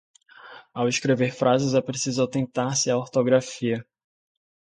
Ao escrever frases, é preciso atentar-se à ortografia.